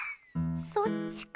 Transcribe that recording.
そっちか。